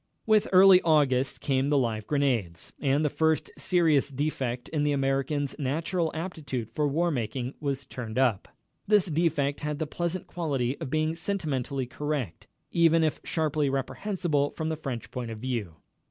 With early August came the live grenades, and the first serious defect in the American's natural aptitude for war making was turned up. This defect had the pleasant quality of being sentimentally correct, even if sharply reprehensible from the French point of view.